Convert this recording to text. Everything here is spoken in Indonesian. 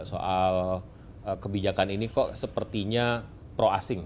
soal kebijakan ini kok sepertinya pro asing